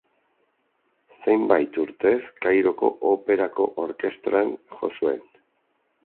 Zenbait urtez Kairoko Operako Orkestran jo zuen.